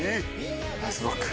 「ナイスブロック」